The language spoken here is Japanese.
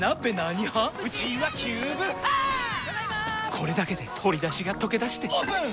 これだけで鶏だしがとけだしてオープン！